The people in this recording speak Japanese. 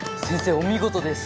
お見事です！